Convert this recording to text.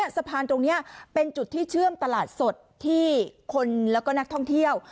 สะพานตรงนี้เป็นจุดที่เชื่อมตลาดสดที่คนแล้วก็นักท่องเที่ยว